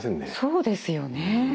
そうですよね。